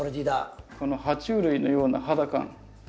このは虫類のような肌感。